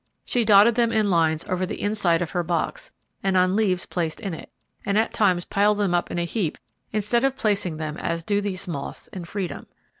She dotted them in lines over the inside of her box, and on leaves placed in it, and at times piled them in a heap instead of placing them as do these moths in freedom.